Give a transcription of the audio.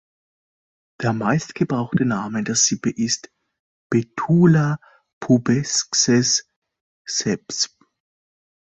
Der meist gebrauchte Name der Sippe ist "Betula pubescens" subsp.